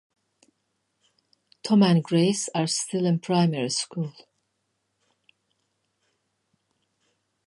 Tom and Grace are still in primary school.